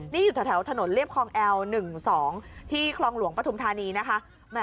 นี่อยู่แถวถนนเรียบคลองแอล๑๒ที่คลองหลวงปฐุมธานีนะคะ